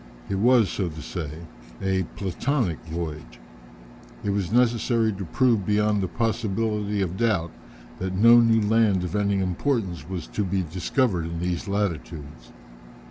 It was, so to say, a "platonic" voyage. It was necessary to prove beyond the possibility of doubt that no new land of any importance was to be discovered in these latitudes.